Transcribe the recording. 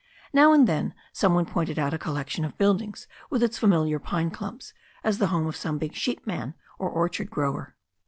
Now and then some one pointed out a collection of buildings with its familiar pine clumps as the home of some big sheep man or orchard grower.